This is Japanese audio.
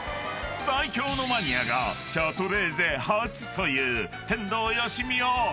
［最強のマニアがシャトレーゼ初という天童よしみをご案内］